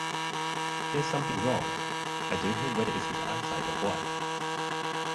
There's something wrong - I don't know whether it's his eyesight or what.